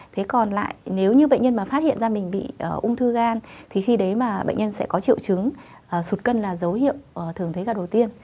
thế còn lại nếu như bệnh nhân mà phát hiện ra mình bị ung thư gan thì khi đấy mà bệnh nhân sẽ có triệu chứng sụt cân là dấu hiệu thường thấy ca đầu tiên